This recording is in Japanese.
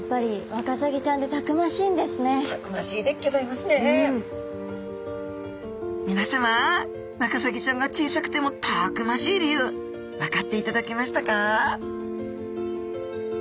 ワカサギちゃんが小さくてもたくましい理由分かっていただけましたか？